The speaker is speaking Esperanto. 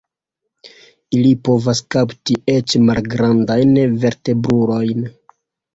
Ili povas kapti eĉ malgrandajn vertebrulojn.